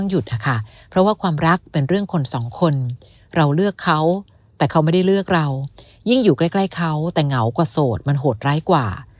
อยู่ใกล้เขาแต่เหงากว่าโสดมันโหดไร้กว่า